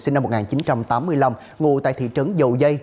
sinh năm một nghìn chín trăm tám mươi năm ngụ tại thị trấn dầu dây